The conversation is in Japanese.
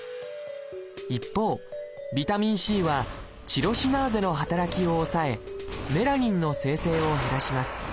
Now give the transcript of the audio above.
一方「ビタミンＣ」はチロシナーゼの働きを抑えメラニンの生成を減らします。